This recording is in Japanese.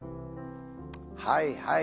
はいはい。